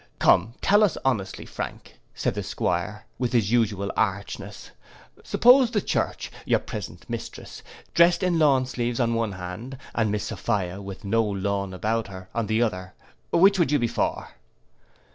—'Come tell us honestly, Frank,' said the 'Squire, with his usual archness, 'suppose the church, your present mistress, drest in lawnsleeves, on one hand, and Miss Sophia, with no lawn about her, on the other, which would you be for?